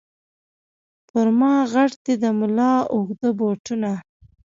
پر ما غټ دي د مُلا اوږده بوټونه